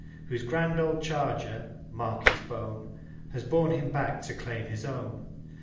Whose grand old charger (mark his bone!) Has borne him back to claim his own.